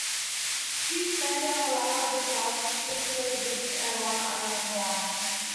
Chief Bender allowed the Cubs just three hits and one unearned run.